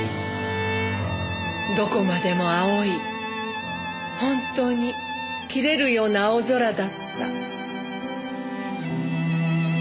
どこまでも青い本当に切れるような青空だった。